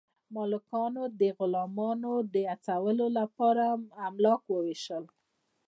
مالکانو د غلامانو د هڅونې لپاره املاک وویشل.